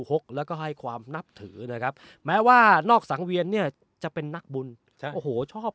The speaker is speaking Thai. หกแล้วก็ให้ความนับถือนะครับแม้ว่านอกสังเวียนเนี่ยจะเป็นนักบุญโอ้โหชอบ